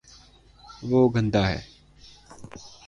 وہ گندا ہے